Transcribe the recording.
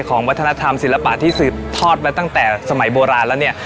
ของวัฒนธรรมศิลปะที่สืบทอดมาตั้งแต่สมัยโบราณแล้วเนี่ย